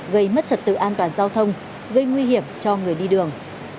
gây mất trật tự an toàn giao thông gây nguy hiểm cho người đi đường